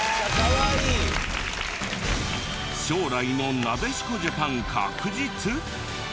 将来のなでしこジャパン確実！？